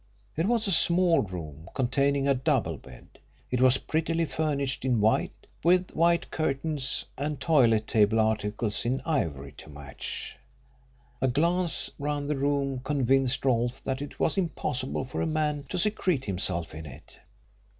It was a small room, containing a double bed. It was prettily furnished in white, with white curtains, and toilet table articles in ivory to match. A glance round the room convinced Rolfe that it was impossible for a man to secrete himself in it.